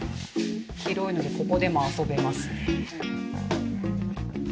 広いのでここでも遊べます。